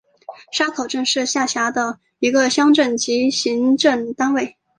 沙口镇是下辖的一个乡镇级行政单位。